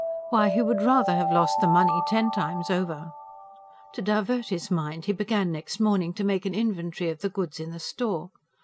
Why, he would rather have lost the money ten times over! To divert his mind, he began next morning to make an inventory of the goods in the store.